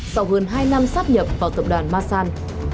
sau hơn hai năm sát nhập vào tập đoàn marsan